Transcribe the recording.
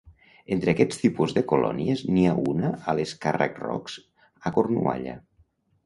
Entre aquest tipus de colònies n'hi ha una a les Carrack rocks a Cornualla.